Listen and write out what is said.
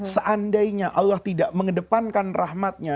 seandainya allah tidak mengedepankan rahmatnya